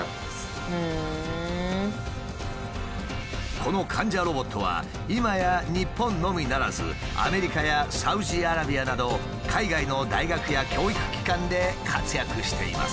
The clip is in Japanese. この患者ロボットは今や日本のみならずアメリカやサウジアラビアなど海外の大学や教育機関で活躍しています。